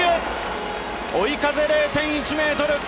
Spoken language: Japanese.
追い風０．１ｍ。